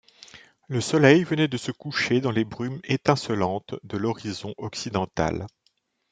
Le soleil venait de se coucher dans les brumes étincelantes de l’horizon occidental.